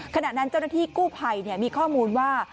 ขณะนั้นเจ้าหน้าที่กู้ภัยมีข้อมูลว่า